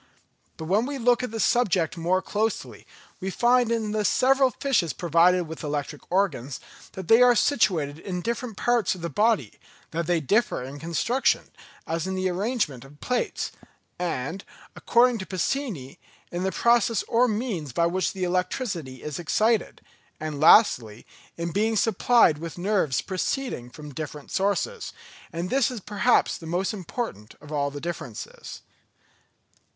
But when we look at the subject more closely, we find in the several fishes provided with electric organs, that these are situated in different parts of the body, that they differ in construction, as in the arrangement of the plates, and, according to Pacini, in the process or means by which the electricity is excited—and lastly, in being supplied with nerves proceeding from different sources, and this is perhaps the most important of all the differences.